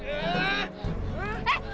eh apa aja